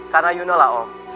karena you know lah om